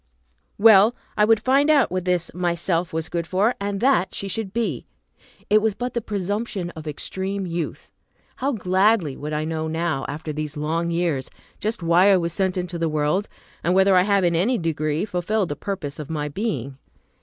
Well, I would find out what this Myself was good for, and that she should be! It was but the presumption of extreme youth. How gladly would I know now, after these long years, just why I was sent into the world, and whether I have in any degree fulfilled the purpose of my being!